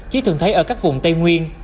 chỉ thường thấy ở các vùng tây nguyên